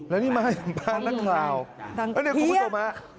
แล้วนี่มาถึงบ้านนักข่าวเนี่ยคุณผู้ชมฮะ